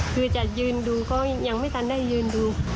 คือจะยืนดูก็ยังไม่ทันได้ยืนดู